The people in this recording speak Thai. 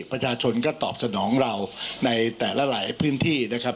ประชาชนก็ตอบสนองเราในแต่ละหลายพื้นที่นะครับ